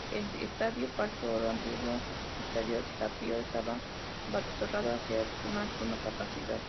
El Estadio Parque Oro, antiguo estadio tapatío, estaba abarrotado hasta su máxima capacidad.